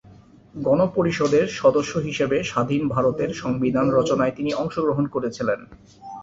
গণ পরিষদের সদস্য হিসাবে স্বাধীন ভারতের সংবিধান রচনায় তিনি অংশগ্রহণ করেছিলেন।